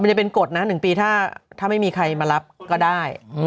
มันจะเป็นกฎนะ๑ปีถ้าไม่มีใครมารับก็ได้